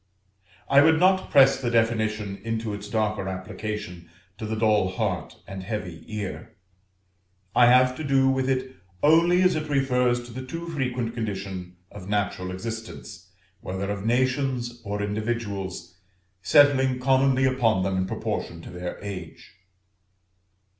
I would not press the definition into its darker application to the dull heart and heavy ear; I have to do with it only as it refers to the too frequent condition of natural existence, whether of nations or individuals, settling commonly upon them in proportion to their age.